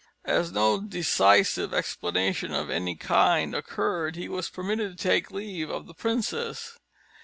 As no decisive explanation of any kind occurred, he was permitted to take leave of the princess.